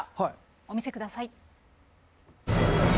お見せください。